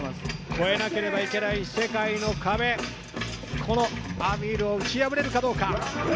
越えなければいけない世界の壁、このＡｍｉｒを打ち破れるかどうか。